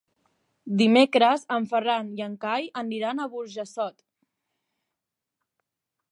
Dimecres en Ferran i en Cai aniran a Burjassot.